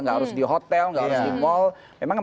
gak harus di hotel gak harus di mall